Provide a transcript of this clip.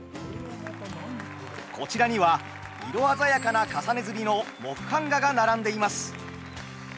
こちらには色鮮やかな重ね刷りの木版画が並んでいます。